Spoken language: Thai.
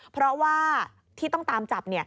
เพราะว่าที่ต้องตามจับ